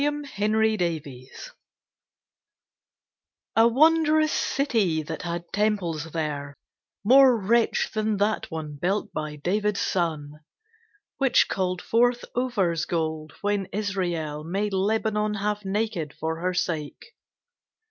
A STRANGE CITY A wondrous city, that had temples there More rich than that one built by David's son, Which called forth Ophir's gold, when Israel Made Lebanon half naked for her sake.